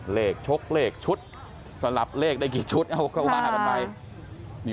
เลขชกเลขชุดสลับเลขได้กี่ชุดเอาก็ว่าต่อไป